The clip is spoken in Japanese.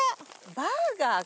バーガーか。